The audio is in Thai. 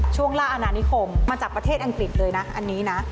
ช่วงล่าอาณานิคมมาจากประเทศอังกฤษเลยนะอันนี้นะ